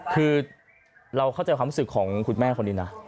คือเราเข้าใจความรู้สึกของคุณแม่คนนี้นะ